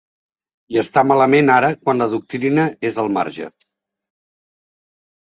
I està malament ara quan la doctrina és al marge.